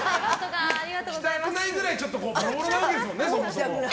着たくないくらいボロボロなわけですもんね。